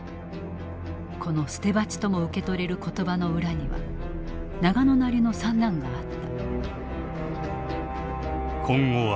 この捨てばちとも受け取れる言葉の裏には永野なりの算段があった。